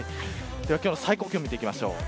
では今日の最高気温見ていきましょう。